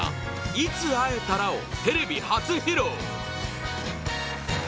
「いつ逢えたら」をテレビ初披露！